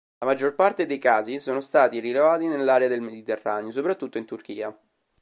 La maggior parte dei casi sono stati rilevati nell'area del Mediterraneo, soprattutto in Turchia.